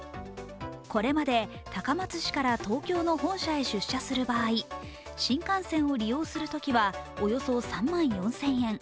これまで高松市から東京の本社へ出社する場合、新幹線を利用するときはおよそ３万４０００円。